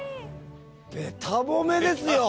べた褒めですよ！